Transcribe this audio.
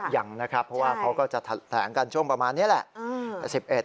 ยังนะครับเพราะว่าเขาก็จะแถลงกันช่วงประมาณนี้แหละ